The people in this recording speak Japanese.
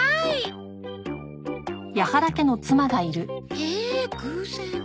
へえ偶然